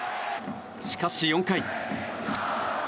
しかし、４回。